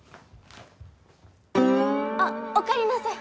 あっおかえりなさい。